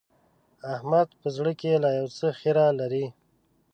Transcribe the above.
احمد په زړه کې لا يو څه خيره لري.